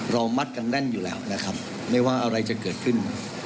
มัดกันแน่นอยู่แล้วนะครับไม่ว่าอะไรจะเกิดขึ้น